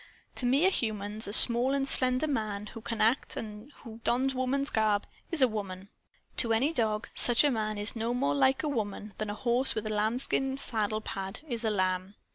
To mere humans, a small and slender man, who can act, and who dons woman's garb, is a woman. To any dog, such a man is no more like a woman than a horse with a lambskin saddle pad is a lamb.